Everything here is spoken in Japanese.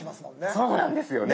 そうなんですよね。